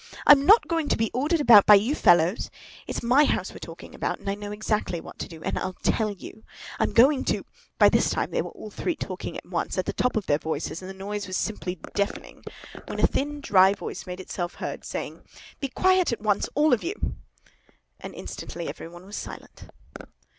"I'm not going to be ordered about by you fellows! It's my house we're talking about, and I know exactly what to do, and I'll tell you. I'm going to——" By this time they were all three talking at once, at the top of their voices, and the noise was simply deafening, when a thin, dry voice made itself heard, saying, "Be quiet at once, all of you!" and instantly every one was silent.